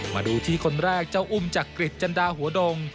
มาดูที่คนแรกเจ้าอุ้มจักริจจันดาหัวดง